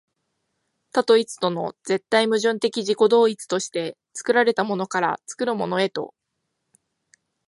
多と一との絶対矛盾的自己同一として、作られたものから作るものへと、